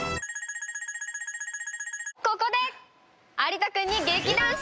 ここで有田君に。